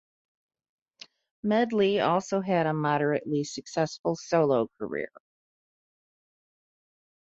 Medley also had a moderately successful solo career.